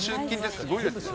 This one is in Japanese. すごいですね。